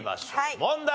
問題。